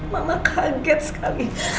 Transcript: mama kaget sekali